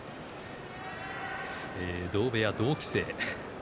同部屋、同期生。